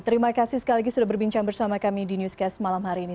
terima kasih sekali lagi sudah berbincang bersama kami di newscast malam hari ini